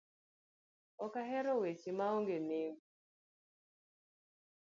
Ok a hero weche maonge nengo.